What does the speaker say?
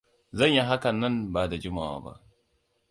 Zan yi hakan nan ba da jimawa ba.